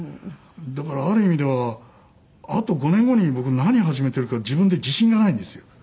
だからある意味ではあと５年後に僕何始めてるか自分で自信がないんですよ。